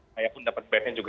saya pun dapat bednya juga